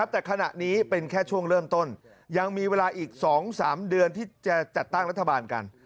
แต่ขณะนี้เป็นแค่ช่วงเริ่มต้นยังมีเวลาอีก๒๓เดือนที่จะจัดตั้งรัฐบาลกัน